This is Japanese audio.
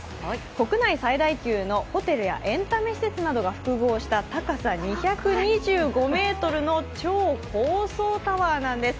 国内最大級のホテルやエンタメ施設などが複合した高さ２２５ｍの超高層タワーなんです。